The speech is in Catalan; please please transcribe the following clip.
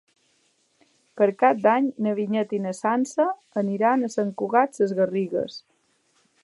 Per Cap d'Any na Vinyet i na Sança aniran a Sant Cugat Sesgarrigues.